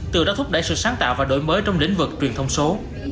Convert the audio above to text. từ đó thúc đẩy sự sáng tạo và đổi mới trong lĩnh vực truyền thông số